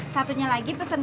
satunya lagi pesen ke mbak ansa